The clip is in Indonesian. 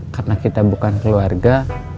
karena kita bukan keluarga